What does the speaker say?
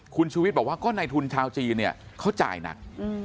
คุณชูวิทย์บอกว่าก็ในทุนชาวจีนเนี่ยเขาจ่ายหนัก